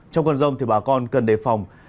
trong cơn rông thì bà con cần đề phòng